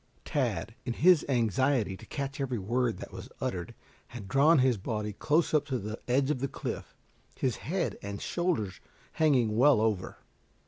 Tad, in his anxiety to catch every word that was uttered, had drawn his body close up to the edge of the cliff, his head and shoulders hanging well over.